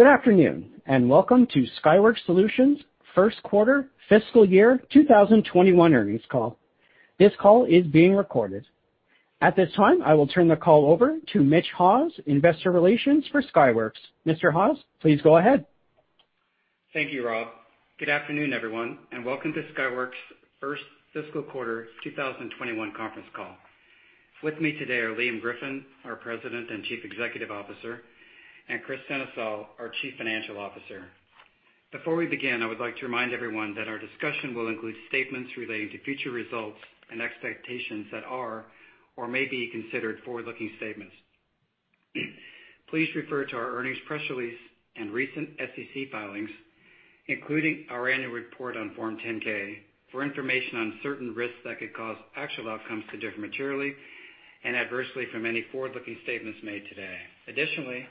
Good afternoon, welcome to Skyworks Solutions first quarter fiscal year 2021 earnings call. This call is being recorded. At this time, I will turn the call over to Mitch Haws, investor relations for Skyworks. Mr. Haws, please go ahead. Thank you, Rob. Good afternoon, everyone, and welcome to Skyworks' first fiscal quarter 2021 conference call. With me today are Liam Griffin, our President and Chief Executive Officer, and Kris Sennesael, our Chief Financial Officer. Before we begin, I would like to remind everyone that our discussion will include statements relating to future results and expectations that are or may be considered forward-looking statements. Please refer to our earnings press release and recent SEC filings, including our annual report on Form 10-K for information on certain risks that could cause actual outcomes to differ materially and adversely from any forward-looking statements made today. Additionally,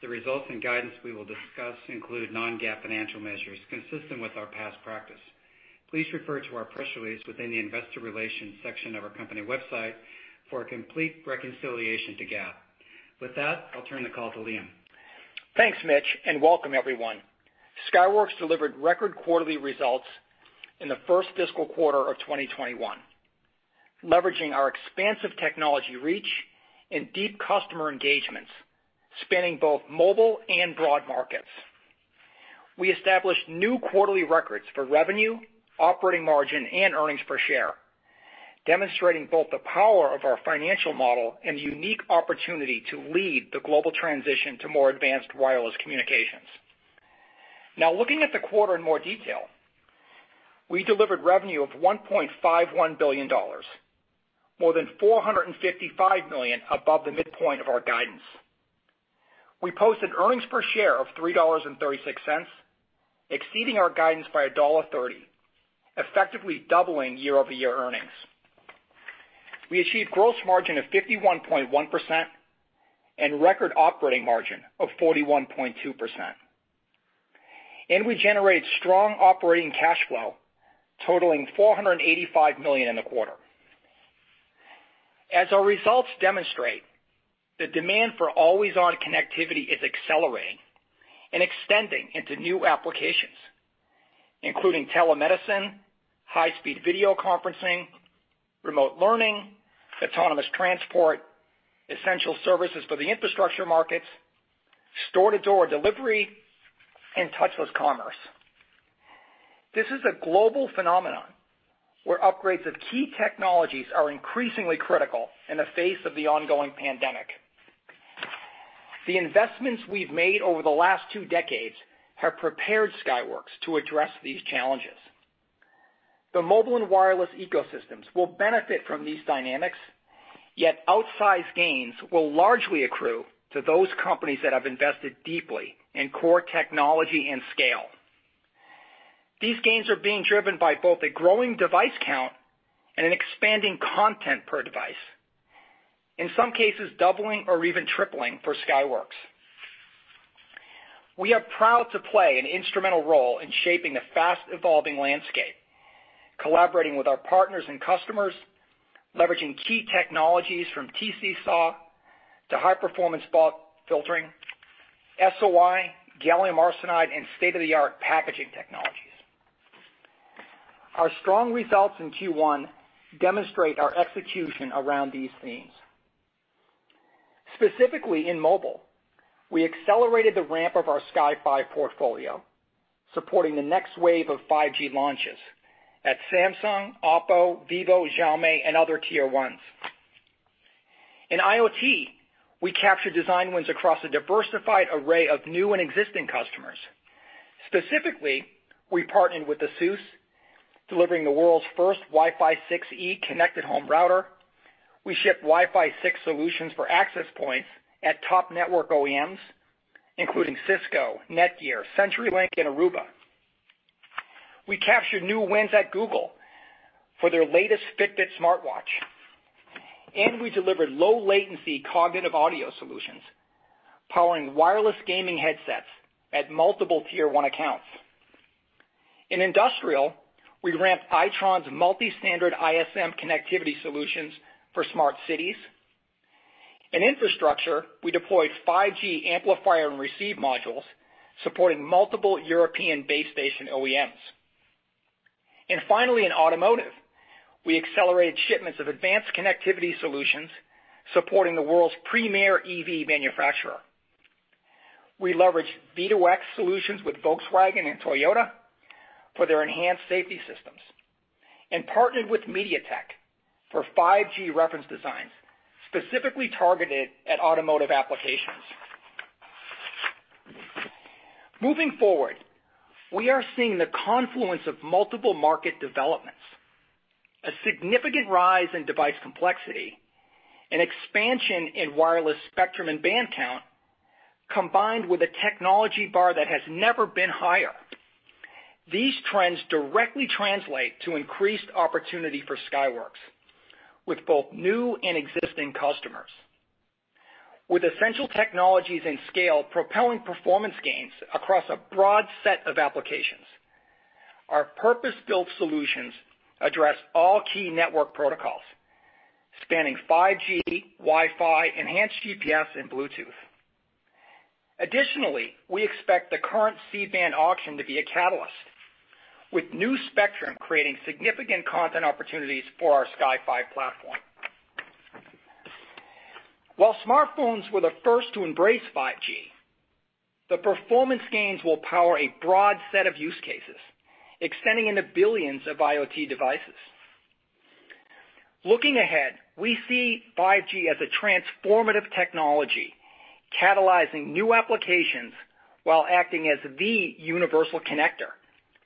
the results and guidance we will discuss include non-GAAP financial measures consistent with our past practice. Please refer to our press release within the investor relations section of our company website for a complete reconciliation to GAAP. With that, I'll turn the call to Liam. Thanks, Mitch, and welcome everyone. Skyworks delivered record quarterly results in the first fiscal quarter of 2021, leveraging our expansive technology reach and deep customer engagements, spanning both mobile and broad markets. We established new quarterly records for revenue, operating margin, and earnings per share, demonstrating both the power of our financial model and the unique opportunity to lead the global transition to more advanced wireless communications. Looking at the quarter in more detail, we delivered revenue of $1.51 billion, more than $455 million above the midpoint of our guidance. We posted earnings per share of $3.36, exceeding our guidance by $1.30, effectively doubling year-over-year earnings. We achieved gross margin of 51.1% and record operating margin of 41.2%. We generated strong operating cash flow totaling $485 million in the quarter. As our results demonstrate, the demand for always-on connectivity is accelerating and extending into new applications, including telemedicine, high-speed video conferencing, remote learning, autonomous transport, essential services for the infrastructure markets, store-to-door delivery, and touchless commerce. This is a global phenomenon where upgrades of key technologies are increasingly critical in the face of the ongoing pandemic. The investments we've made over the last two decades have prepared Skyworks to address these challenges. The mobile and wireless ecosystems will benefit from these dynamics, yet outsized gains will largely accrue to those companies that have invested deeply in core technology and scale. These gains are being driven by both a growing device count and an expanding content per device, in some cases doubling or even tripling for Skyworks. We are proud to play an instrumental role in shaping the fast-evolving landscape, collaborating with our partners and customers, leveraging key technologies from TC-SAW to high-performance BAW filtering, SOI, gallium arsenide, and state-of-the-art packaging technologies. Our strong results in Q1 demonstrate our execution around these themes. Specifically, in mobile, we accelerated the ramp of our Sky5 portfolio, supporting the next wave of 5G launches at Samsung, OPPO, vivo, Xiaomi, and other Tier 1s. In IoT, we captured design wins across a diversified array of new and existing customers. Specifically, we partnered with ASUS, delivering the world's first Wi-Fi 6E connected home router. We shipped Wi-Fi 6 solutions for access points at top network OEMs, including Cisco, NETGEAR, CenturyLink, and Aruba. We captured new wins at Google for their latest Fitbit smartwatch, and we delivered low-latency cognitive audio solutions, powering wireless gaming headsets at multiple Tier 1 accounts. In industrial, we ramped Itron's multi-standard ISM connectivity solutions for smart cities. In infrastructure, we deployed 5G amplifier and receive modules supporting multiple European base station OEMs. Finally, in automotive, we accelerated shipments of advanced connectivity solutions supporting the world's premier EV manufacturer. We leveraged V2X solutions with Volkswagen and Toyota for their enhanced safety systems and partnered with MediaTek for 5G reference designs specifically targeted at automotive applications. Moving forward, we are seeing the confluence of multiple market developments, a significant rise in device complexity, an expansion in wireless spectrum and band count, combined with a technology bar that has never been higher. These trends directly translate to increased opportunity for Skyworks with both new and existing customers. With essential technologies and scale propelling performance gains across a broad set of applications. Our purpose-built solutions address all key network protocols, spanning 5G, Wi-Fi, enhanced GPS, and Bluetooth. Additionally, we expect the current C-band auction to be a catalyst, with new spectrum creating significant content opportunities for our Sky5 platform. While smartphones were the first to embrace 5G, the performance gains will power a broad set of use cases, extending into billions of IoT devices. Looking ahead, we see 5G as a transformative technology, catalyzing new applications while acting as the universal connector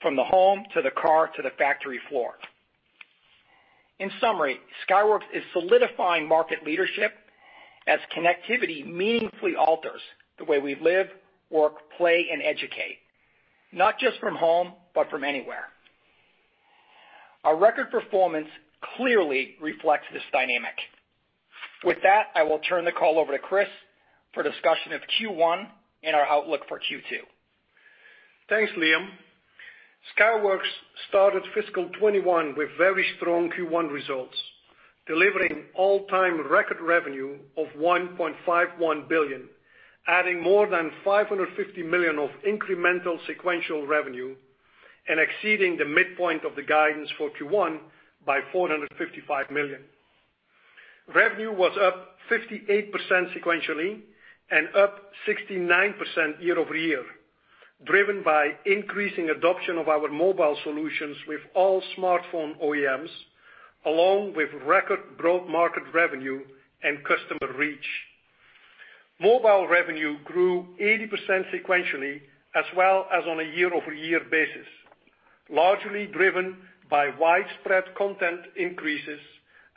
from the home to the car to the factory floor. In summary, Skyworks is solidifying market leadership as connectivity meaningfully alters the way we live, work, play, and educate, not just from home, but from anywhere. Our record performance clearly reflects this dynamic. With that, I will turn the call over to Kris for discussion of Q1 and our outlook for Q2. Thanks, Liam. Skyworks started fiscal 2021 with very strong Q1 results, delivering all-time record revenue of $1.51 billion, adding more than $550 million of incremental sequential revenue, and exceeding the midpoint of the guidance for Q1 by $455 million. Revenue was up 58% sequentially and up 69% year-over-year, driven by increasing adoption of our mobile solutions with all smartphone OEMs, along with record broad market revenue and customer reach. Mobile revenue grew 80% sequentially as well as on a year-over-year basis, largely driven by widespread content increases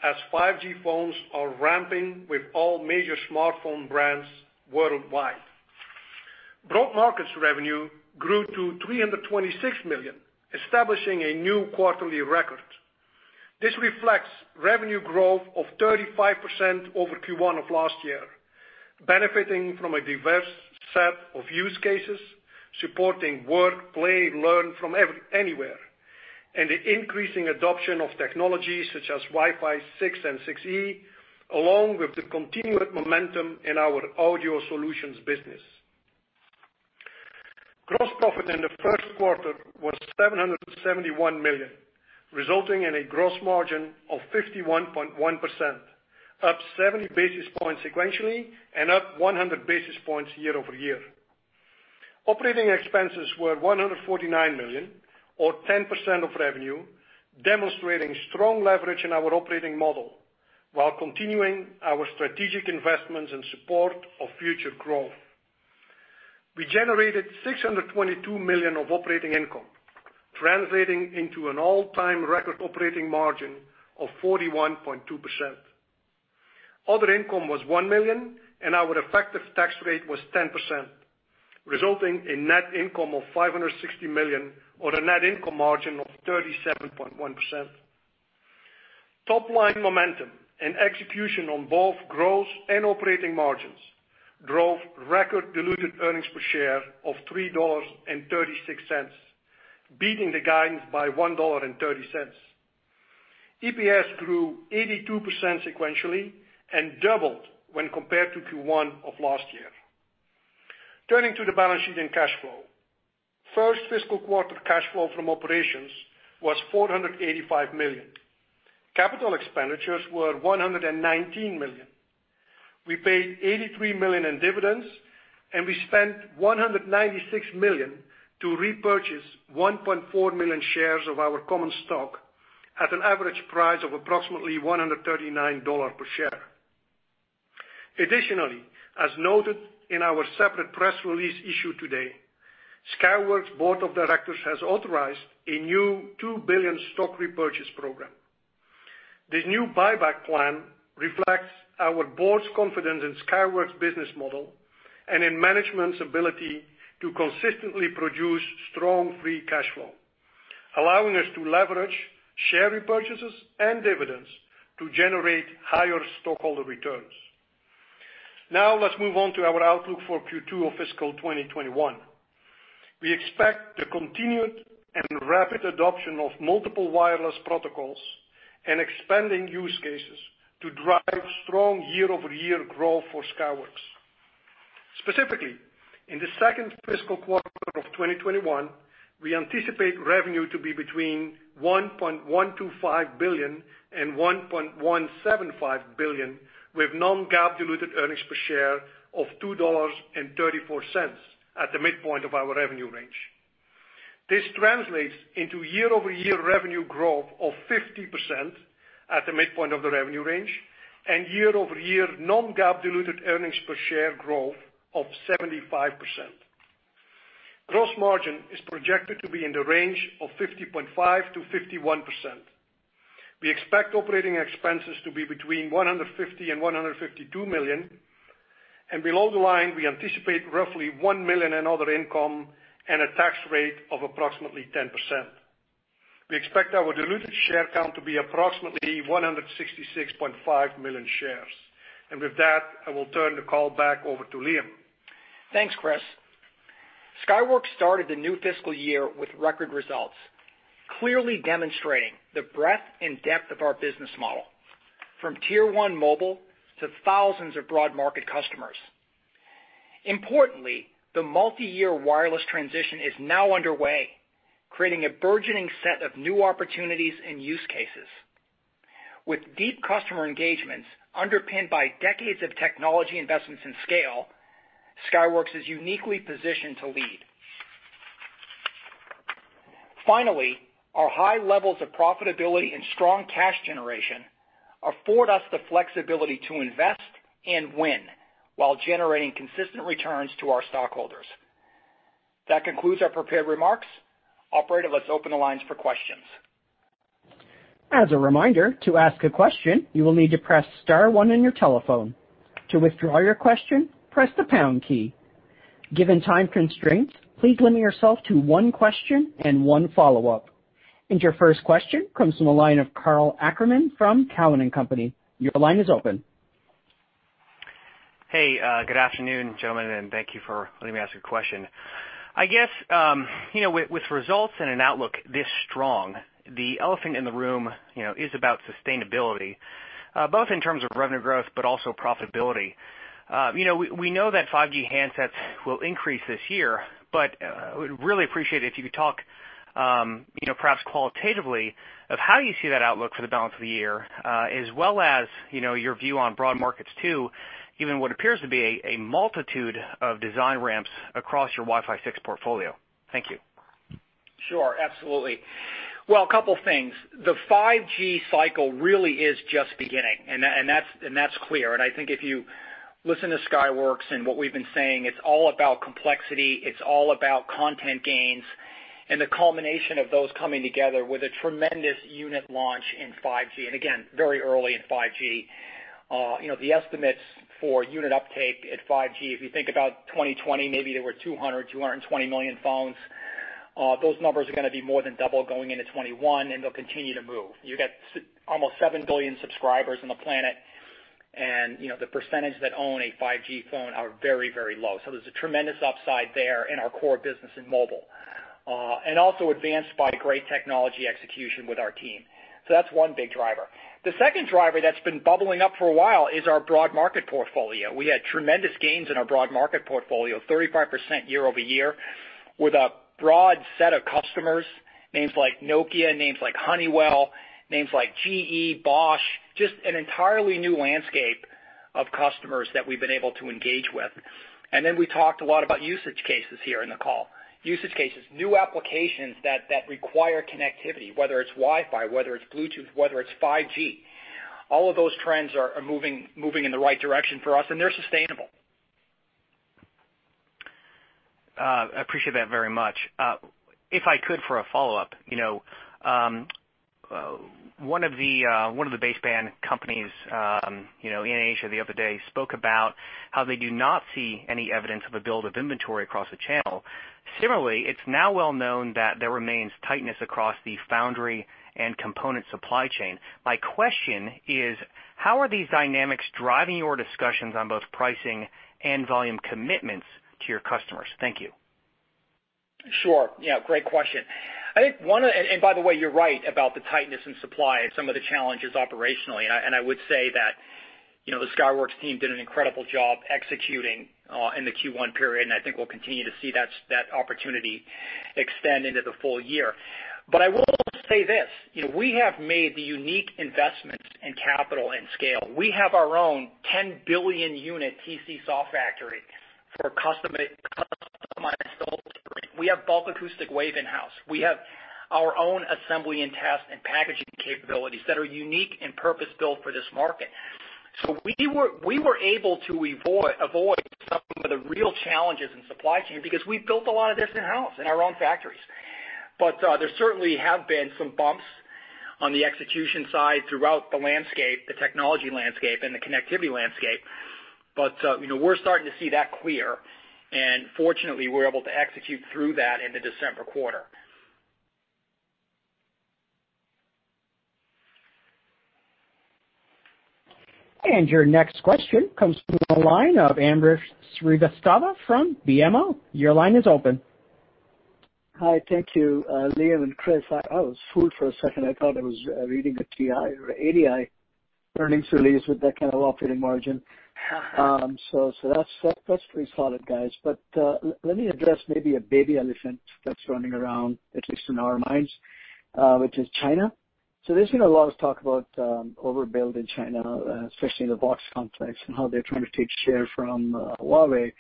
as 5G phones are ramping with all major smartphone brands worldwide. Broad markets revenue grew to $326 million, establishing a new quarterly record. This reflects revenue growth of 35% over Q1 of last year, benefiting from a diverse set of use cases supporting work, play, learn from anywhere, and the increasing adoption of technologies such as Wi-Fi 6 and 6E, along with the continued momentum in our audio solutions business. Gross profit in the first quarter was $771 million, resulting in a gross margin of 51.1%, up 70 basis points sequentially and up 100 basis points year-over-year. Operating expenses were $149 million, or 10% of revenue, demonstrating strong leverage in our operating model while continuing our strategic investments in support of future growth. We generated $622 million of operating income, translating into an all-time record operating margin of 41.2%. Other income was $1 million, and our effective tax rate was 10%, resulting in net income of $560 million, or a net income margin of 37.1%. Top-line momentum and execution on both gross and operating margins drove record diluted earnings per share of $3.36, beating the guidance by $1.30. EPS grew 82% sequentially and doubled when compared to Q1 of last year. Turning to the balance sheet and cash flow. First fiscal quarter cash flow from operations was $485 million. Capital expenditures were $119 million. We paid $83 million in dividends, we spent $196 million to repurchase 1.4 million shares of our common stock at an average price of approximately $139 per share. Additionally, as noted in our separate press release issued today, Skyworks Board of Directors has authorized a new $2 billion stock repurchase program. This new buyback plan reflects our board's confidence in Skyworks' business model and in management's ability to consistently produce strong free cash flow, allowing us to leverage share repurchases and dividends to generate higher stockholder returns. Let's move on to our outlook for Q2 of fiscal 2021. We expect the continued and rapid adoption of multiple wireless protocols and expanding use cases to drive strong year-over-year growth for Skyworks. Specifically, in the second fiscal quarter of 2021, we anticipate revenue to be between $1.125 billion and $1.175 billion, with non-GAAP diluted earnings per share of $2.34 at the midpoint of our revenue range. This translates into year-over-year revenue growth of 50% at the midpoint of the revenue range and year-over-year non-GAAP diluted earnings per share growth of 75%. Gross margin is projected to be in the range of 50.5%-51%. We expect operating expenses to be between $150 million and $152 million, and below the line, we anticipate roughly $1 million in other income and a tax rate of approximately 10%. We expect our diluted share count to be approximately 166.5 million shares. With that, I will turn the call back over to Liam. Thanks, Kris. Skyworks started the new fiscal year with record results, clearly demonstrating the breadth and depth of our business model, from Tier 1 mobile to thousands of broad market customers. Importantly, the multi-year wireless transition is now underway, creating a burgeoning set of new opportunities and use cases. With deep customer engagements underpinned by decades of technology investments in scale, Skyworks is uniquely positioned to lead. Finally, our high levels of profitability and strong cash generation afford us the flexibility to invest and win while generating consistent returns to our stockholders. That concludes our prepared remarks. Operator, let's open the lines for questions. As a reminder, to ask a question, you will need to press star one on your telephone. To withdraw your question, press the pound key. Given time constraints, please limit yourself to one question and one follow-up. Your first question comes from the line of Karl Ackerman from Cowen and Company. Your line is open. Hey, good afternoon, gentlemen, and thank you for letting me ask a question. I guess, with results and an outlook this strong, the elephant in the room is about sustainability, both in terms of revenue growth but also profitability. We know that 5G handsets will increase this year, but I would really appreciate it if you could talk perhaps qualitatively of how you see that outlook for the balance of the year, as well as your view on broad markets too, given what appears to be a multitude of design ramps across your Wi-Fi 6 portfolio. Thank you. Sure. Absolutely. Well, a couple things. The 5G cycle really is just beginning, that's clear. I think if you listen to Skyworks and what we've been saying, it's all about complexity, it's all about content gains and the culmination of those coming together with a tremendous unit launch in 5G. Again, very early in 5G. The estimates for unit uptake at 5G, if you think about 2020, maybe there were 200 million, 220 million phones. Those numbers are going to be more than double going into 2021. They'll continue to move. You got almost seven billion subscribers on the planet. The percentage that own a 5G phone are very, very low. There's a tremendous upside there in our core business in mobile, also advanced by great technology execution with our team. That's one big driver. The second driver that's been bubbling up for a while is our broad market portfolio. We had tremendous gains in our broad market portfolio, 35% year-over-year with a broad set of customers, names like Nokia, names like Honeywell, names like GE, Bosch, just an entirely new landscape of customers that we've been able to engage with. Then we talked a lot about usage cases here in the call. Usage cases, new applications that require connectivity, whether it's Wi-Fi, whether it's Bluetooth, whether it's 5G. All of those trends are moving in the right direction for us, and they're sustainable. I appreciate that very much. If I could, for a follow-up. One of the baseband companies in Asia the other day spoke about how they do not see any evidence of a build of inventory across the channel. Similarly, it's now well known that there remains tightness across the foundry and component supply chain. My question is, how are these dynamics driving your discussions on both pricing and volume commitments to your customers? Thank you. Sure. Yeah, great question. You're right about the tightness in supply and some of the challenges operationally, and I would say that the Skyworks team did an incredible job executing in the Q1 period, and I think we'll continue to see that opportunity extend into the full-year. I will say this. We have made the unique investments in capital and scale. We have our own 10 billion unit TC SAW factory for. We have bulk acoustic wave in-house. We have our own assembly and test and packaging capabilities that are unique and purpose-built for this market. We were able to avoid some of the real challenges in supply chain because we built a lot of this in-house in our own factories. There certainly have been some bumps on the execution side throughout the landscape, the technology landscape, and the connectivity landscape. We're starting to see that clear, and fortunately, we're able to execute through that in the December quarter. Your next question comes from the line of Ambrish Srivastava from BMO. Your line is open. Hi. Thank you, Liam and Kris. I was fooled for a second. I thought I was reading a TI or ADI earnings release with that kind of operating margin. That's pretty solid, guys. Let me address maybe a baby elephant that's running around, at least in our minds, which is China. There's been a lot of talk about overbuild in China, especially in the box complex and how they're trying to take share from Huawei.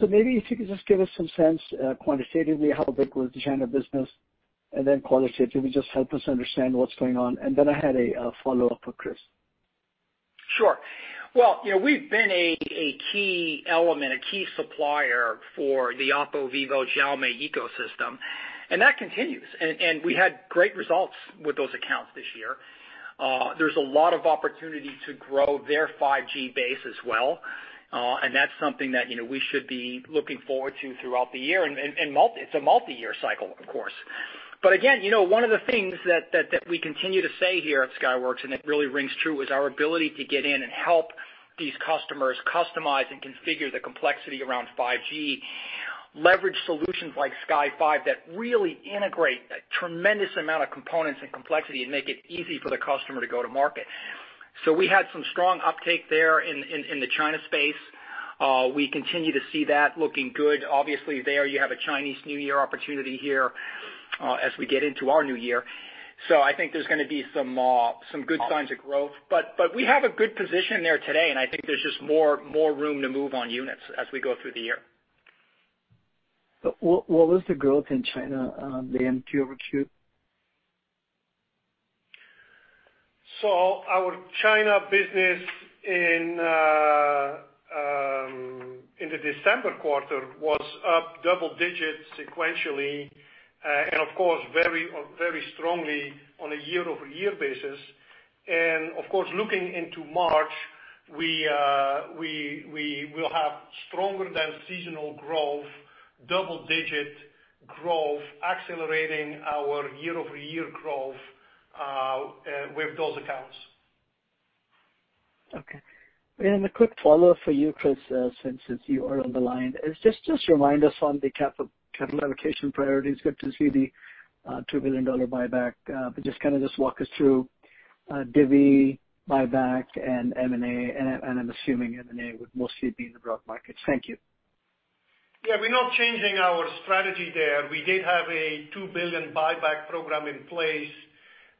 Maybe if you could just give us some sense, quantitatively, how big was the China business? Qualitatively, just help us understand what's going on. I had a follow-up for Kris. Sure. Well, we've been a key element, a key supplier for the OPPO, vivo, Xiaomi ecosystem, and that continues. We had great results with those accounts this year. There's a lot of opportunity to grow their 5G base as well, and that's something that we should be looking forward to throughout the year. It's a multi-year cycle, of course. One of the things that we continue to say here at Skyworks, and it really rings true, is our ability to get in and help these customers customize and configure the complexity around 5G, leverage solutions like Sky5 that really integrate a tremendous amount of components and complexity and make it easy for the customer to go to market. We had some strong uptake there in the China space. We continue to see that looking good. Obviously, there you have a Chinese New Year opportunity here as we get into our new year. I think there's going to be some good signs of growth. We have a good position there today, and I think there's just more room to move on units as we go through the year. What was the growth in China, Liam, quarter-over-quarter? Our China business in the December quarter was up double digits sequentially, and of course very strongly on a year-over-year basis. Of course, looking into March, we will have stronger than seasonal growth, double-digit growth, accelerating our year-over-year growth with those accounts. Okay. A quick follow-up for you, Kris, since you are on the line, just remind us on the capital allocation priorities. Good to see the $2 billion buyback, but just walk us through divvy, buyback, and M&A, and I'm assuming M&A would mostly be in the broad markets. Thank you. Yeah, we're not changing our strategy there. We did have a $2 billion buyback program in place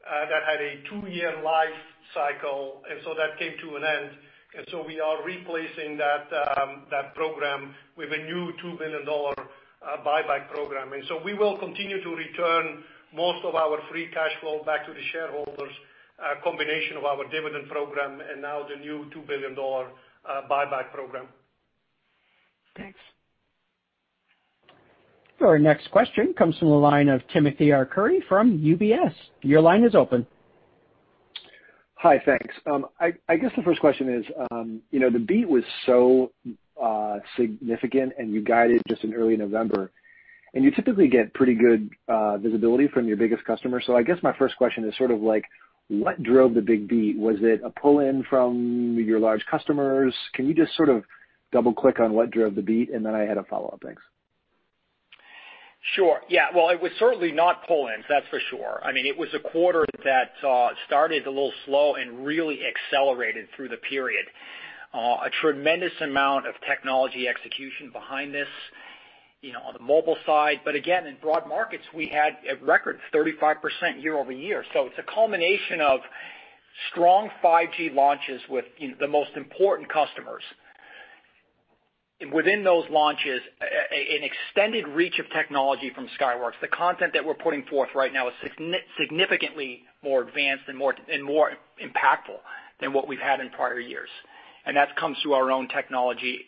that had a two-year life cycle. That came to an end. We are replacing that program with a new $2 billion buyback program. We will continue to return most of our free cash flow back to the shareholders, a combination of our dividend program and now the new $2 billion buyback program. Thanks. Our next question comes from the line of Timothy Arcuri from UBS. Your line is open. Hi, thanks. I guess the first question is, the beat was so significant and you guided just in early November, and you typically get pretty good visibility from your biggest customer. I guess my first question is what drove the big beat? Was it a pull-in from your large customers? Can you just double-click on what drove the beat? I had a follow-up. Thanks. Sure. Yeah. Well, it was certainly not pull-ins, that's for sure. It was a quarter that started a little slow and really accelerated through the period. A tremendous amount of technology execution behind this on the mobile side. Again, in broad markets, we had a record 35% year-over-year. It's a culmination of strong 5G launches with the most important customers. Within those launches, an extended reach of technology from Skyworks. The content that we're putting forth right now is significantly more advanced and more impactful than what we've had in prior years. That comes through our own technology,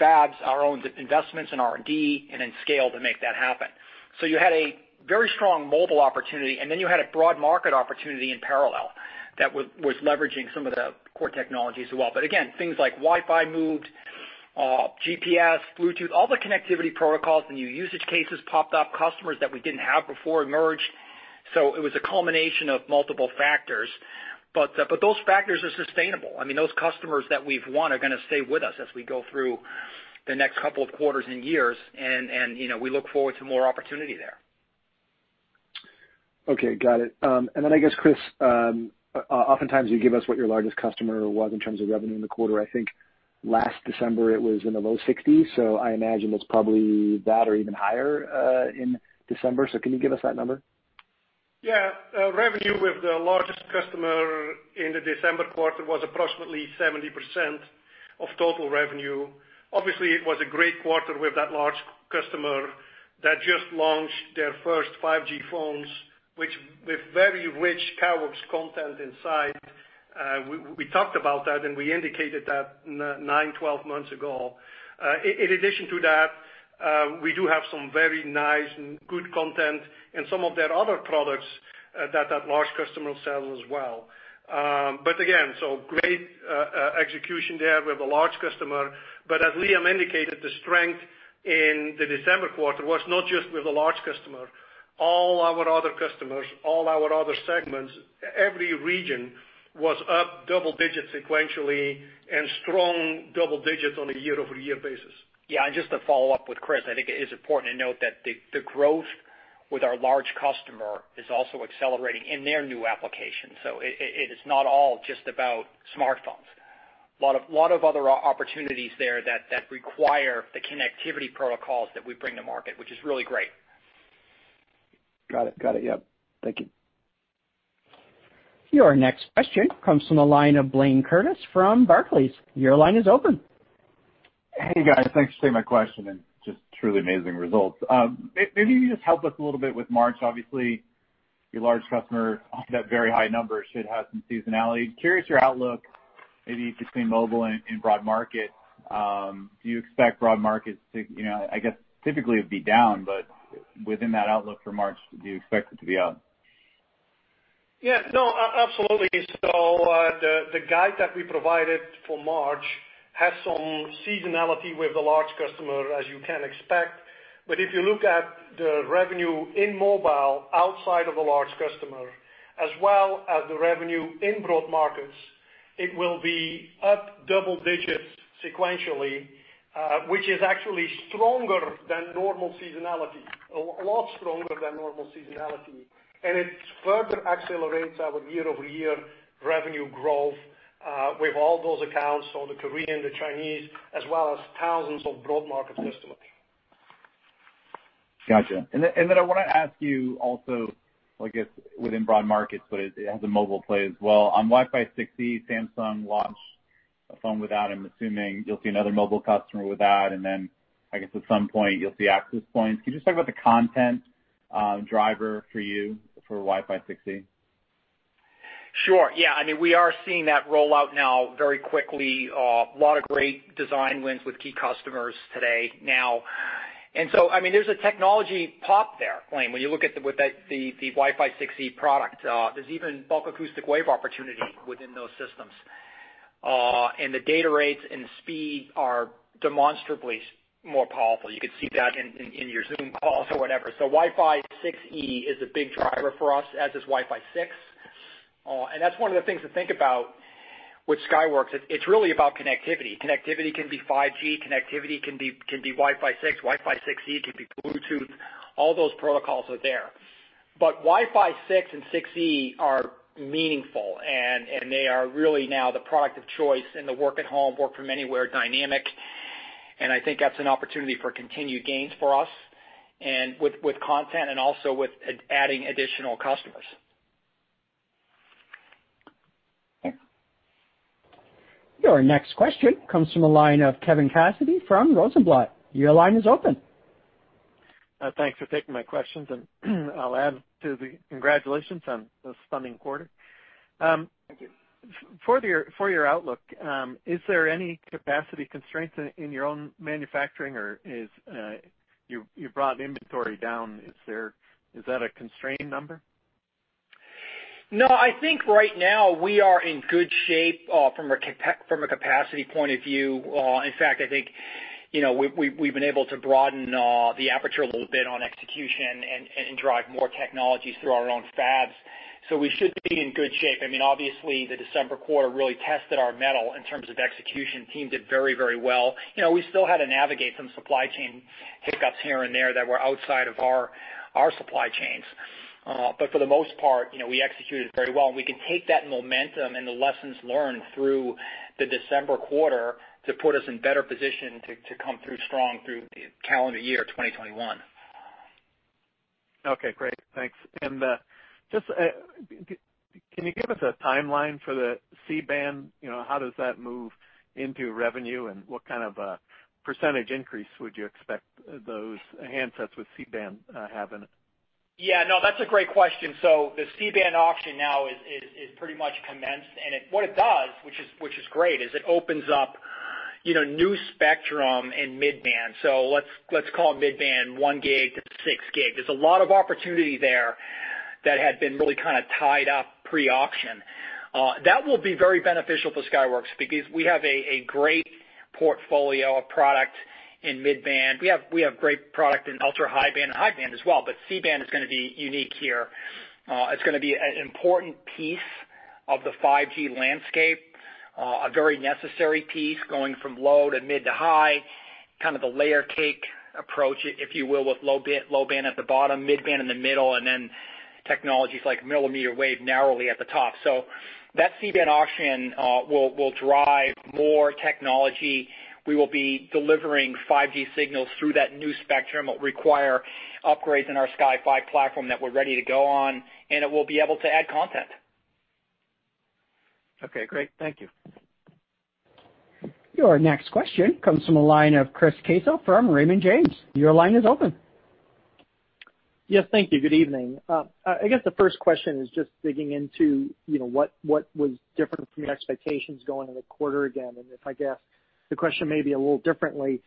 fabs, our own investments in R&D, and in scale to make that happen. You had a very strong mobile opportunity, and then you had a broad market opportunity in parallel that was leveraging some of the core technologies as well. Again, things like Wi-Fi moved, GPS, Bluetooth, all the connectivity protocols, the new usage cases popped up, customers that we didn't have before emerged. It was a culmination of multiple factors. Those factors are sustainable. Those customers that we've won are going to stay with us as we go through the next couple of quarters and years, and we look forward to more opportunity there. Okay, got it. I guess, Kris, oftentimes you give us what your largest customer was in terms of revenue in the quarter. I think last December it was in the low 60s, I imagine it's probably that or even higher in December. Can you give us that number? Yeah. Revenue with the largest customer in the December quarter was approximately 70% of total revenue. Obviously, it was a great quarter with that large customer that just launched their first 5G phones with very rich Skyworks content inside. We talked about that and we indicated that nine, 12 months ago. In addition to that, we do have some very nice and good content in some of their other products that large customer sells as well. Again, great execution there with a large customer. As Liam indicated, the strength in the December quarter was not just with a large customer. All our other customers, all our other segments, every region was up double digits sequentially and strong double digits on a year-over-year basis. Yeah, just to follow up with Kris, I think it is important to note that the growth with our large customer is also accelerating in their new application. It is not all just about smartphones. A lot of other opportunities there that require the connectivity protocols that we bring to market, which is really great. Got it. Yep. Thank you. Your next question comes from the line of Blayne Curtis from Barclays. Your line is open. Hey, guys. Thanks for taking my question. Just truly amazing results. Maybe you can just help us a little bit with March. Obviously, your large customer off that very high number should have some seasonality. Curious your outlook, maybe between mobile and broad market. Do you expect broad markets? I guess typically it'd be down, but within that outlook for March, do you expect it to be up? Yeah. No, absolutely. The guide that we provided for March has some seasonality with the large customer, as you can expect. If you look at the revenue in mobile outside of the large customer, as well as the revenue in broad markets, it will be up double digits sequentially, which is actually stronger than normal seasonality, a lot stronger than normal seasonality. It further accelerates our year-over-year revenue growth, with all those accounts, the Korean, the Chinese, as well as thousands of broad market customers. Got you. I want to ask you also, I guess, within broad markets, but it has a mobile play as well. On Wi-Fi 6E, Samsung launched a phone with that. I'm assuming you'll see another mobile customer with that, and then I guess at some point, you'll see access points. Can you just talk about the content driver for you for Wi-Fi 6E? Sure. We are seeing that roll out now very quickly. A lot of great design wins with key customers today now. There's a technology pop there, Blayne, when you look at the Wi-Fi 6E product. There's even bulk acoustic wave opportunity within those systems. The data rates and speed are demonstrably more powerful. You could see that in your Zoom calls or whatever. Wi-Fi 6E is a big driver for us, as is Wi-Fi 6. That's one of the things to think about with Skyworks. It's really about connectivity. Connectivity can be 5G, connectivity can be Wi-Fi 6, Wi-Fi 6E, it could be Bluetooth. All those protocols are there. Wi-Fi 6 and 6E are meaningful, and they are really now the product of choice in the work at home, work from anywhere dynamic. I think that's an opportunity for continued gains for us and with content and also with adding additional customers. Yeah. Your next question comes from the line of Kevin Cassidy from Rosenblatt. Your line is open. Thanks for taking my questions, and I'll add to the congratulations on a stunning quarter. Thank you. For your outlook, is there any capacity constraints in your own manufacturing, or you brought inventory down? Is that a constrained number? I think right now we are in good shape from a capacity point of view. In fact, I think, we've been able to broaden the aperture a little bit on execution and drive more technologies through our own fabs. We should be in good shape. Obviously, the December quarter really tested our mettle in terms of execution. Team did very well. We still had to navigate some supply chain hiccups here and there that were outside of our supply chains. For the most part, we executed very well, and we can take that momentum and the lessons learned through the December quarter to put us in better position to come through strong through calendar year 2021. Okay, great. Thanks. Can you give us a timeline for the C-band? How does that move into revenue, and what kind of a % increase would you expect those handsets with C-band have in it? Yeah, no, that's a great question. The C-band auction now is pretty much commenced, and what it does, which is great, is it opens up new spectrum in mid-band. Let's call it mid-band one gig to six gig. There's a lot of opportunity there that had been really kind of tied up pre-auction. That will be very beneficial for Skyworks because we have a great portfolio of product in mid-band. We have great product in ultra-high band and high band as well, but C-band is going to be unique here. It's going to be an important piece of the 5G landscape, a very necessary piece going from low to mid to high, kind of the layer cake approach, if you will, with low band at the bottom, mid-band in the middle, and then technologies like millimeter wave narrowly at the top. That C-band auction will drive more technology. We will be delivering 5G signals through that new spectrum. It require upgrades in our Sky5 platform that we're ready to go on, and it will be able to add content. Okay, great. Thank you. Your next question comes from the line of Chris Caso from Raymond James. Your line is open. Yes, thank you. Good evening. I guess the first question is just digging into what was different from your expectations going into the quarter again. If I guess the question may be a little differently,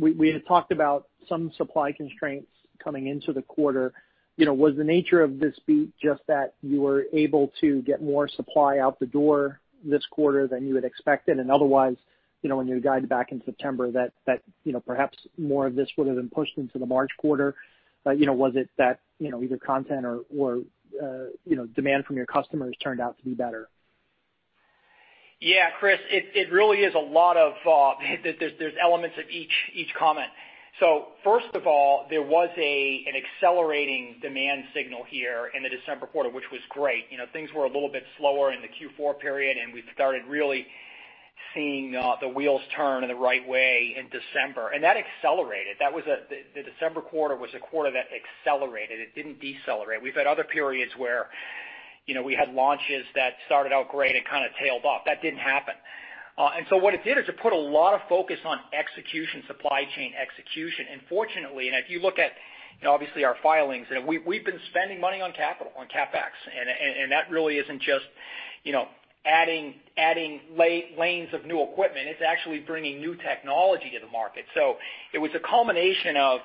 we had talked about some supply constraints coming into the quarter. Was the nature of this beat just that you were able to get more supply out the door this quarter than you had expected? Otherwise, when you had guided back in September that perhaps more of this would've been pushed into the March quarter. Was it that either content or demand from your customers turned out to be better? Chris, it really is a lot of. There's elements of each comment. First of all, there was an accelerating demand signal here in the December quarter, which was great. Things were a little bit slower in the Q4 period, and we started really seeing the wheels turn in the right way in December. That accelerated. The December quarter was a quarter that accelerated. It didn't decelerate. We've had other periods where we had launches that started out great and kind of tailed off. That didn't happen. What it did is it put a lot of focus on execution, supply chain execution. Fortunately, if you look at obviously our filings, we've been spending money on capital, on CapEx, and that really isn't just adding lanes of new equipment, it's actually bringing new technology to the market. It was a culmination of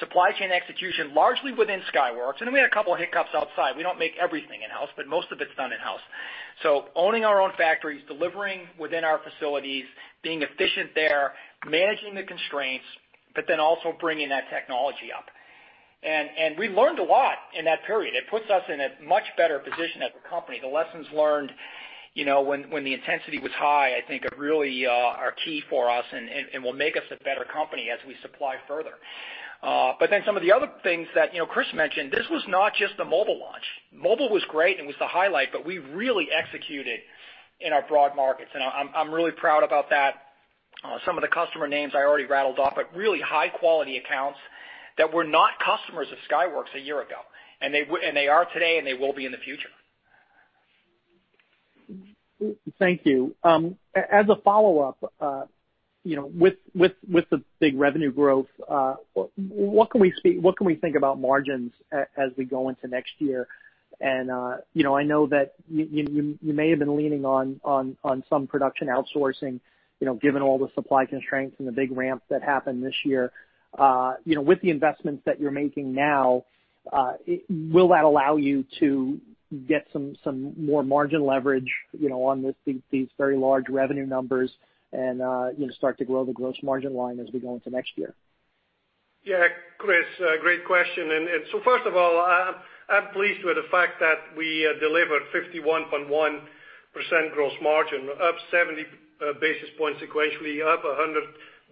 supply chain execution, largely within Skyworks, and then we had a couple of hiccups outside. We don't make everything in-house, but most of it's done in-house. Owning our own factories, delivering within our facilities, being efficient there, managing the constraints, but then also bringing that technology up. We learned a lot in that period. It puts us in a much better position as a company. The lessons learned when the intensity was high, I think really are key for us and will make us a better company as we supply further. Some of the other things that Kris mentioned, this was not just a mobile launch. Mobile was great, and it was the highlight, but we really executed in our broad markets, and I'm really proud about that. Some of the customer names I already rattled off, but really high-quality accounts that were not customers of Skyworks a year ago, and they are today, and they will be in the future. Thank you. As a follow-up, with the big revenue growth, what can we think about margins as we go into next year? I know that you may have been leaning on some production outsourcing, given all the supply constraints and the big ramp that happened this year. With the investments that you're making now, will that allow you to get some more margin leverage on these very large revenue numbers and start to grow the gross margin line as we go into next year? Yeah, Chris, great question. First of all, I'm pleased with the fact that we delivered 51.1% gross margin, up 70 basis points sequentially, up 100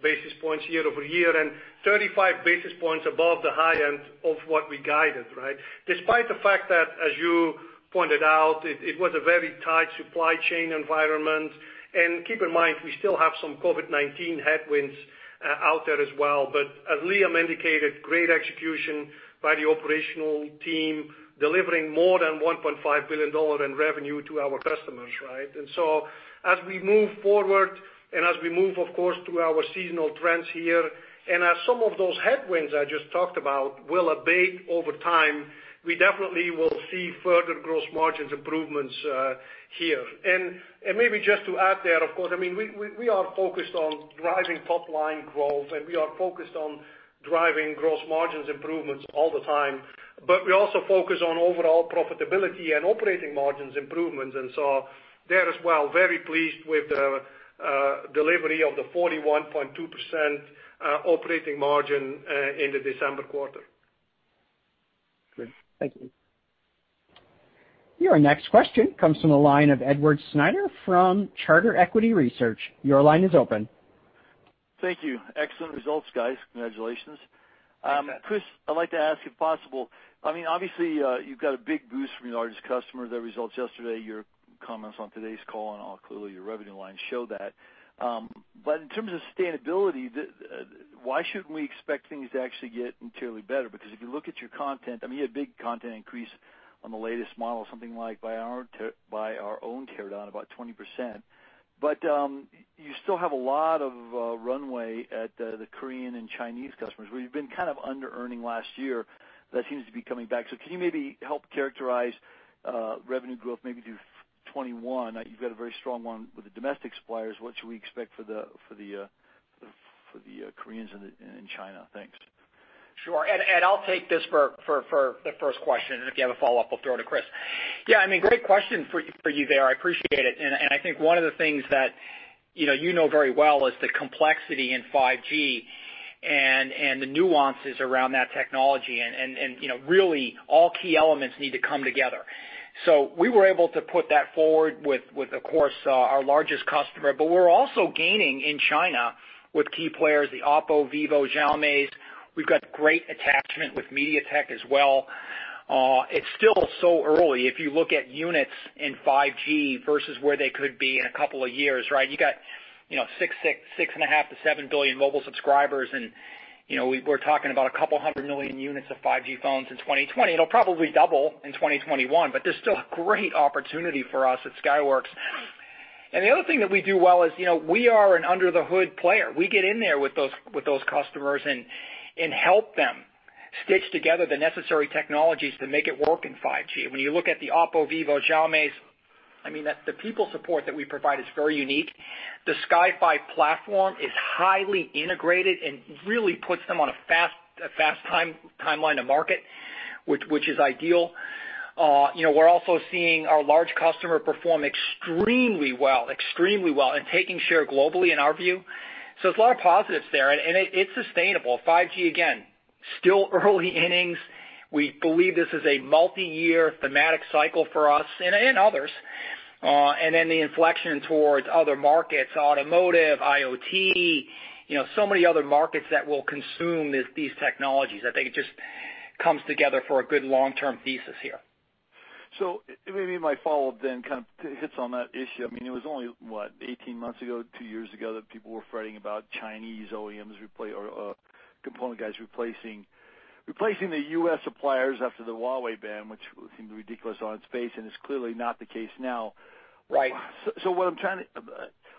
basis points year-over-year, and 35 basis points above the high end of what we guided, right? Despite the fact that, as you pointed out, it was a very tight supply chain environment. Keep in mind, we still have some COVID-19 headwinds out there as well. As Liam indicated, great execution by the operational team, delivering more than $1.5 billion in revenue to our customers, right? As we move forward, as we move, of course, through our seasonal trends here, as some of those headwinds I just talked about will abate over time, we definitely will see further gross margins improvements here. Maybe just to add there, of course, we are focused on driving top-line growth, and we are focused on driving gross margins improvements all the time. We also focus on overall profitability and operating margins improvements. There as well, very pleased with the delivery of the 41.2% operating margin in the December quarter. Great. Thank you. Your next question comes from the line of Edward Snyder from Charter Equity Research. Your line is open. Thank you. Excellent results, guys. Congratulations. You bet. Kris, I'd like to ask, if possible. You've got a big boost from your largest customer, their results yesterday, your comments on today's call, and clearly your revenue lines show that. In terms of sustainability, why shouldn't we expect things to actually get materially better? If you look at your content, you had a big content increase on the latest model, something like by our own teardown, about 20%. You still have a lot of runway at the Korean and Chinese customers, where you've been kind of under-earning last year. That seems to be coming back. Can you maybe help characterize revenue growth, maybe through 2021? You've got a very strong one with the domestic suppliers. What should we expect for the Koreans and China? Thanks. Sure. Ed, I'll take this for the first question. If you have a follow-up, I'll throw it to Kris. Yeah, great question for you there. I appreciate it. I think one of the things that you know very well is the complexity in 5G and the nuances around that technology, really all key elements need to come together. We were able to put that forward with, of course, our largest customer. We're also gaining in China with key players, the OPPO, vivo, Xiaomi. We've got great attachment with MediaTek as well. It's still so early. If you look at units in 5G versus where they could be in a couple of years, right? You got 6.5 billion-7 billion mobile subscribers, we're talking about a couple of hundred million units of 5G phones in 2020. It'll probably double in 2021. There's still a great opportunity for us at Skyworks. The other thing that we do well is, we are an under-the-hood player. We get in there with those customers and help them stitch together the necessary technologies to make it work in 5G. When you look at the OPPO, vivo, Xiaomis, the people support that we provide is very unique. The Sky5 platform is highly integrated and really puts them on a fast timeline to market, which is ideal. We're also seeing our large customer perform extremely well, and taking share globally, in our view. There's a lot of positives there, and it's sustainable. 5G, again, still early innings. We believe this is a multi-year thematic cycle for us, and others. The inflection towards other markets, automotive, IoT, so many other markets that will consume these technologies. I think it just comes together for a good long-term thesis here. Maybe my follow-up kind of hits on that issue. It was only, what, 18 months ago, two years ago, that people were fretting about Chinese OEMs or component guys replacing the U.S. suppliers after the Huawei ban, which seemed ridiculous on its face, and is clearly not the case now. Right.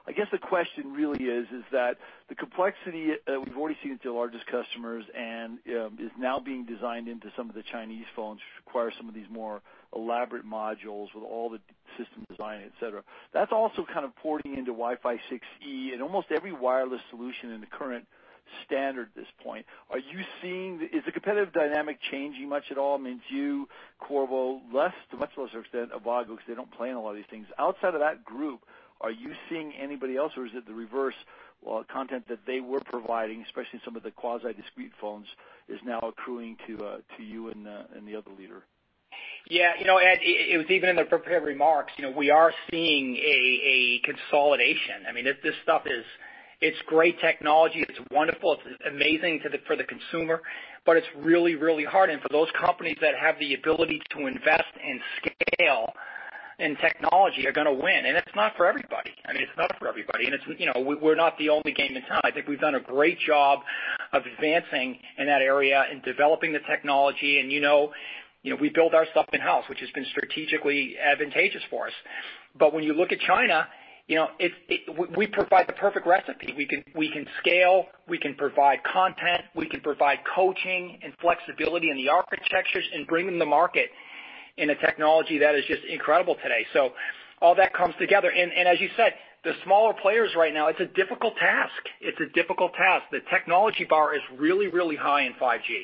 I guess the question really is that the complexity that we've already seen with your largest customers and is now being designed into some of the Chinese phones, which require some of these more elaborate modules with all the system design, et cetera. That is also kind of porting into Wi-Fi 6E and almost every wireless solution in the current standard at this point. Is the competitive dynamic changing much at all? I mean, do you, Qorvo, less, to much lesser extent, Avago, because they do not play in a lot of these things. Outside of that group, are you seeing anybody else, or is it the reverse, content that they were providing, especially some of the quasi-discrete phones, is now accruing to you and the other leader? Yeah, Ed, it was even in the prepared remarks. We are seeing a consolidation. This stuff is great technology. It's wonderful. It's amazing for the consumer, but it's really, really hard. For those companies that have the ability to invest in scale and technology are going to win. It's not for everybody, and we're not the only game in town. I think we've done a great job of advancing in that area and developing the technology, and we build our stuff in-house, which has been strategically advantageous for us. When you look at China, we provide the perfect recipe. We can scale, we can provide content, we can provide coaching and flexibility in the architectures and bring them the market in a technology that is just incredible today. All that comes together. As you said, the smaller players right now, it's a difficult task. It's a difficult task. The technology bar is really, really high in 5G.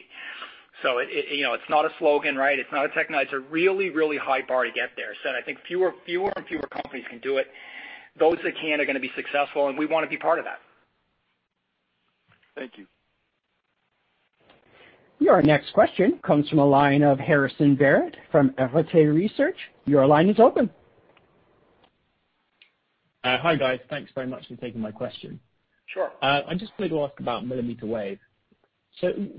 It's not a slogan, right? It's not a tech. It's a really, really high bar to get there. I think fewer and fewer companies can do it. Those that can are going to be successful, and we want to be part of that. Thank you. Your next question comes from the line of Harrison Barrett from Arete Research. Your line is open. Hi, guys. Thanks very much for taking my question. Sure. I'm just going to ask about millimeter wave.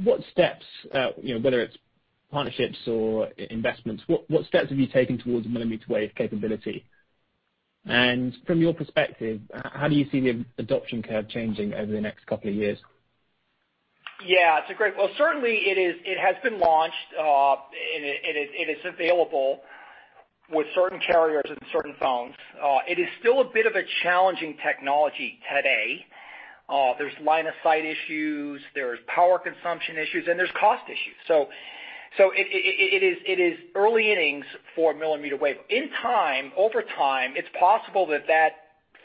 What steps, whether it's partnerships or investments, what steps have you taken towards millimeter wave capability? From your perspective, how do you see the adoption curve changing over the next couple of years? Well, certainly it has been launched, and it is available with certain carriers and certain phones. It is still a bit of a challenging technology today. There's line of sight issues, there's power consumption issues, and there's cost issues. It is early innings for millimeter wave. In time, over time, it's possible that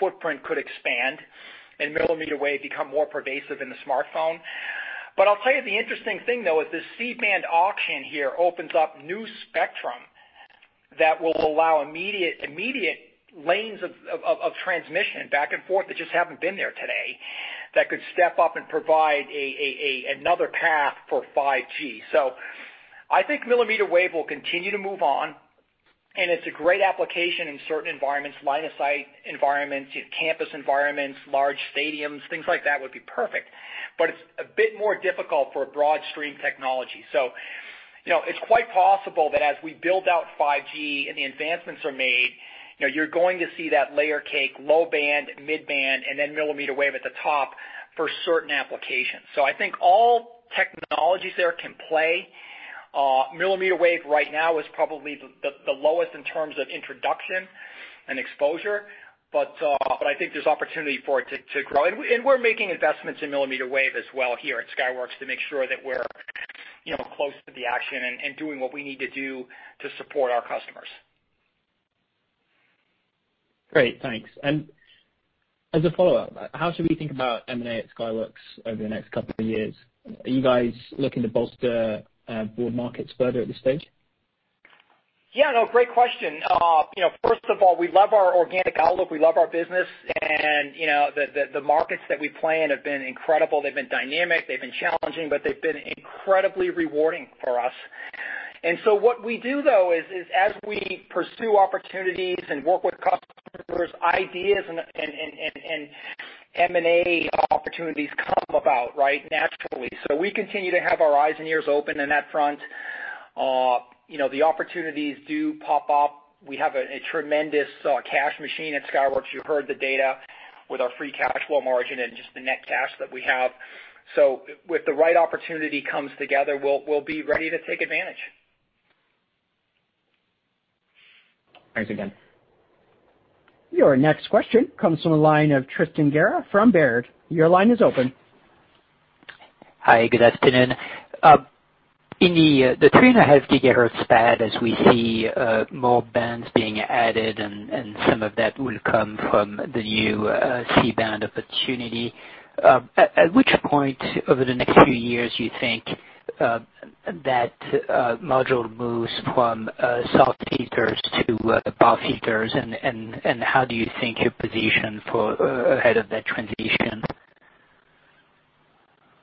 footprint could expand and millimeter wave become more pervasive in the smartphone. I'll tell you the interesting thing, though, is this C-band auction here opens up new spectrum that will allow immediate lanes of transmission back and forth that just haven't been there today, that could step up and provide another path for 5G. I think millimeter wave will continue to move on, and it's a great application in certain environments, line-of-sight environments, campus environments, large stadiums, things like that would be perfect. It's a bit more difficult for a broad stream technology. It's quite possible that as we build out 5G and the advancements are made, you're going to see that layer cake, low band, mid band, and then millimeter wave at the top for certain applications. I think all technologies there can play. Millimeter wave right now is probably the lowest in terms of introduction and exposure, but I think there's opportunity for it to grow. We're making investments in millimeter wave as well here at Skyworks to make sure that we're close to the action and doing what we need to do to support our customers. Great. Thanks. As a follow-up, how should we think about M&A at Skyworks over the next couple of years? Are you guys looking to bolster broad markets further at this stage? Yeah, no, great question. First of all, we love our organic outlook. We love our business, and the markets that we play in have been incredible. They've been dynamic, they've been challenging, but they've been incredibly rewarding for us. What we do, though, is as we pursue opportunities and work with customers, ideas and M&A opportunities come about naturally. We continue to have our eyes and ears open in that front. The opportunities do pop up. We have a tremendous cash machine at Skyworks. You heard the data with our free cash flow margin and just the net cash that we have. With the right opportunity comes together, we'll be ready to take advantage. Thanks again. Your next question comes from the line of Tristan Gerra from Baird. Your line is open. Hi, good afternoon. In the 3.5 gigahertz band, as we see more bands being added and some of that will come from the new C-band opportunity, at which point over the next few years you think that module moves from SAW filters to BAW filters and how do you think you're positioned ahead of that transition?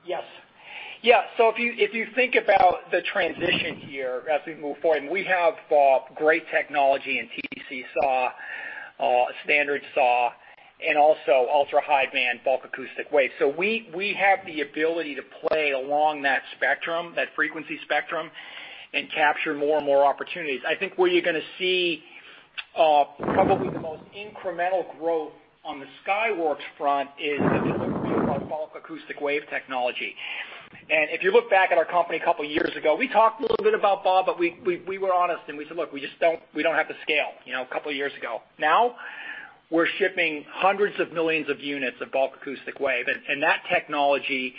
Yes. If you think about the transition here as we move forward, we have great technology in TC-SAW, SAW, and also ultra high band bulk acoustic wave. We have the ability to play along that spectrum, that frequency spectrum, and capture more and more opportunities. I think where you're going to see probably the most incremental growth on the Skyworks front is what we call bulk acoustic wave technology. If you look back at our company a couple of years ago, we talked a little bit about BAW, but we were honest, and we said, "Look, we don't have the scale," a couple of years ago. Now, we're shipping hundreds of millions of units of bulk acoustic wave, and that technology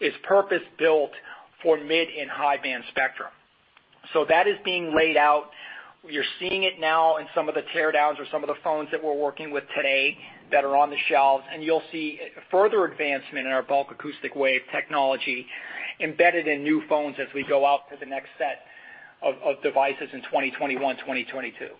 is purpose-built for mid and high-band spectrum. That is being laid out. You're seeing it now in some of the teardowns or some of the phones that we're working with today that are on the shelves, and you'll see further advancement in our bulk acoustic wave technology embedded in new phones as we go out to the next set of devices in 2021, 2022. Okay,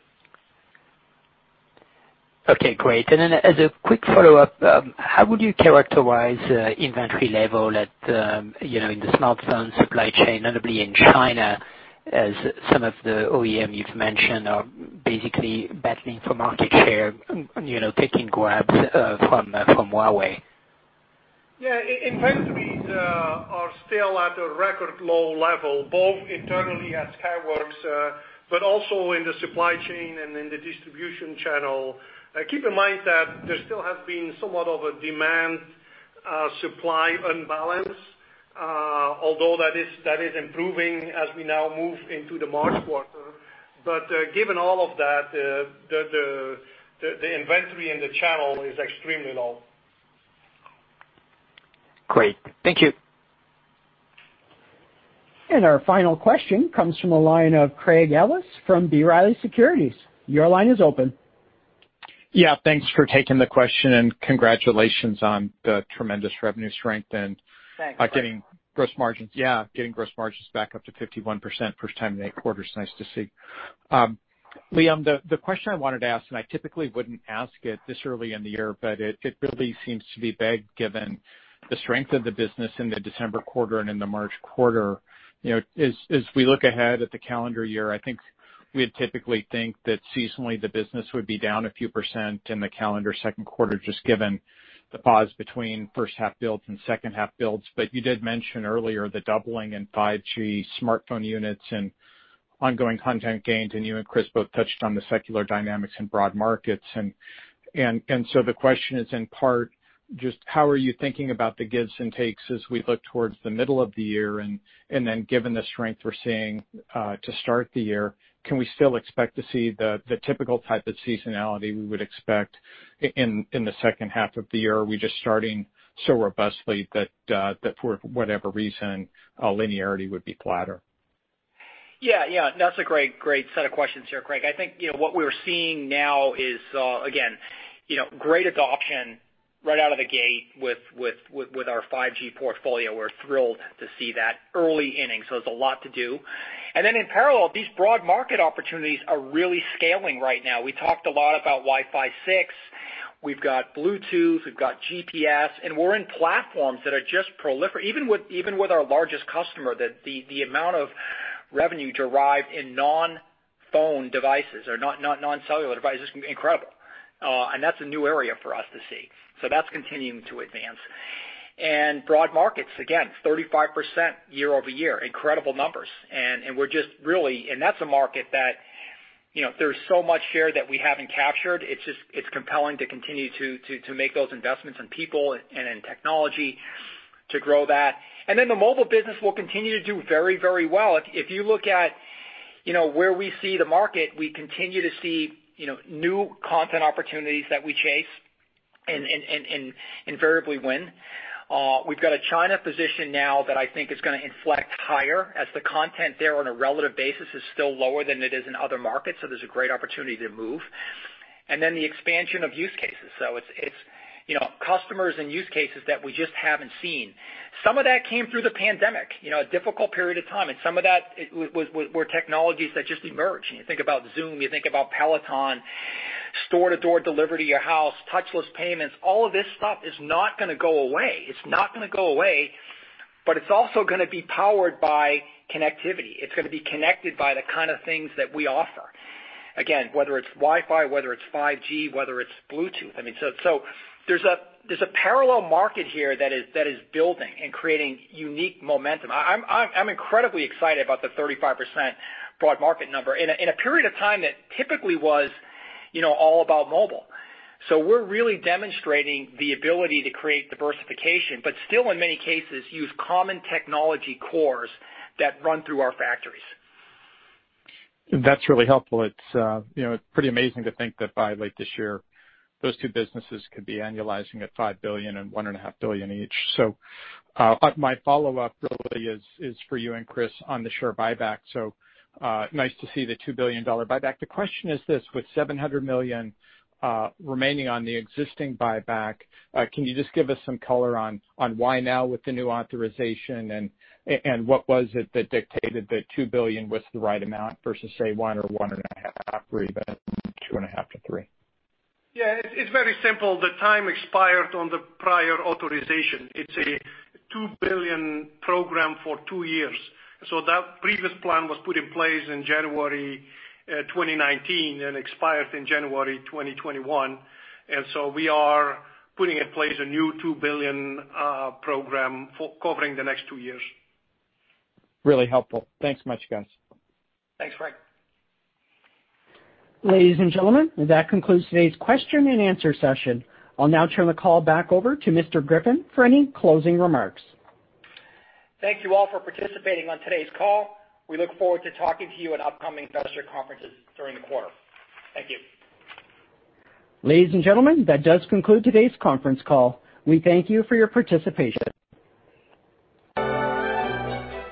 great. Then as a quick follow-up, how would you characterize inventory level in the smartphone supply chain, notably in China, as some of the OEM you've mentioned are basically battling for market share and taking grabs from Huawei? Inventories are still at a record low level, both internally at Skyworks, but also in the supply chain and in the distribution channel. Keep in mind that there still has been somewhat of a demand-supply unbalance, although that is improving as we now move into the March quarter. Given all of that, the inventory in the channel is extremely low. Great. Thank you. Our final question comes from the line of Craig Ellis from B. Riley Securities. Your line is open. Yeah, thanks for taking the question, and congratulations on the tremendous revenue strength. Thanks Getting gross margins back up to 51%, first time in 8 quarters. Nice to see. Liam, the question I wanted to ask. I typically wouldn't ask it this early in the year. It really seems to be big given the strength of the business in the December quarter and in the March quarter. As we look ahead at the calendar year, I think we'd typically think that seasonally, the business would be down a few % in the calendar second quarter, just given the pause between first half builds and second half builds. You did mention earlier the doubling in 5G smartphone units and ongoing content gains. You and Kris both touched on the secular dynamics in broad markets. The question is in part, just how are you thinking about the gives and takes as we look towards the middle of the year and then given the strength we're seeing to start the year, can we still expect to see the typical type of seasonality we would expect in the second half of the year? Are we just starting so robustly that for whatever reason, linearity would be flatter? Yeah. That's a great set of questions here, Craig. I think what we're seeing now is, again, great adoption right out of the gate with our 5G portfolio. We're thrilled to see that early inning, there's a lot to do. In parallel, these broad market opportunities are really scaling right now. We talked a lot about Wi-Fi 6, we've got Bluetooth, we've got GPS, and we're in platforms that are just. Even with our largest customer, the amount of revenue derived in non-phone devices or non-cellular devices is incredible. That's a new area for us to see. That's continuing to advance. Broad markets, again, 35% year-over-year, incredible numbers. That's a market that there's so much share that we haven't captured. It's compelling to continue to make those investments in people and in technology to grow that. The mobile business will continue to do very well. If you look at where we see the market, we continue to see new content opportunities that we chase and invariably win. We've got a China position now that I think is going to inflect higher as the content there on a relative basis is still lower than it is in other markets, so there's a great opportunity to move. The expansion of use cases. It's customers and use cases that we just haven't seen. Some of that came through the pandemic, a difficult period of time, and some of that were technologies that just emerged. You think about Zoom, you think about Peloton, store-to-door delivery to your house, touchless payments. All of this stuff is not going to go away. It's not going to go away, but it's also going to be powered by connectivity. It's going to be connected by the kind of things that we offer. Again, whether it's Wi-Fi, whether it's 5G, whether it's Bluetooth. There's a parallel market here that is building and creating unique momentum. I'm incredibly excited about the 35% broad market number in a period of time that typically was all about mobile. We're really demonstrating the ability to create diversification, but still, in many cases, use common technology cores that run through our factories. That's really helpful. It's pretty amazing to think that by late this year, those two businesses could be annualizing at $5 billion and $1.5 billion each. My follow-up really is for you and Kris on the share buyback. Nice to see the $2 billion buyback. The question is this: With $700 million remaining on the existing buyback, can you just give us some color on why now with the new authorization, and what was it that dictated that $2 billion was the right amount versus, say, $1 billion or $1.5 billion or even $2.5 billion to $3 billion? Yeah, it's very simple. The time expired on the prior authorization. It's a $2 billion program for two years. That previous plan was put in place in January 2019 and expired in January 2021. We are putting in place a new $2 billion program covering the next two years. Really helpful. Thanks much, guys. Thanks, Craig. Ladies and gentlemen, that concludes today's question-and-answer session. I'll now turn the call back over to Mr. Griffin for any closing remarks. Thank you all for participating on today's call. We look forward to talking to you at upcoming investor conferences during the quarter. Thank you. Ladies and gentlemen, that does conclude today's conference call. We thank you for your participation.